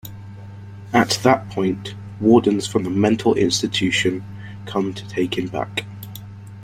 At that point, wardens from the mental institution come to take him back.